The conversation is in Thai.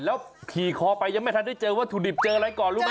แล้วขี่คอไปยังไม่ทันได้เจอวัตถุดิบเจออะไรก่อนรู้ไหม